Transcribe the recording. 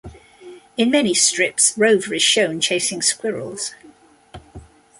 In many strips Rover is shown chasing squirrels.